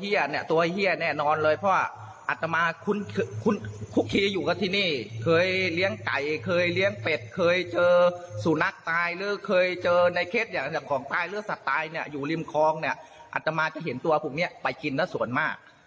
เฮียเนี่ยตัวเฮียแน่นอนเลยเพราะว่าอัตมาคุณคุกคีอยู่กับที่นี่เคยเลี้ยงไก่เคยเลี้ยงเป็ดเคยเจอสุนัขตายหรือเคยเจอในเคสอย่างของตายหรือสัตว์ตายเนี่ยอยู่ริมคลองเนี่ยอัตมาจะเห็นตัวพวกนี้ไปกินนะส่วนมาก